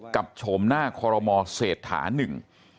กับโฉมหน้าคอลโรมอร์เศษฐานึง